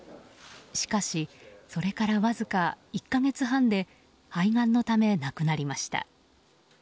しかし、それからわずか１か月半で肺がんのため亡くなりました。